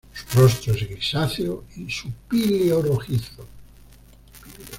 Su rostro es grisáceo y su píleo rojizo.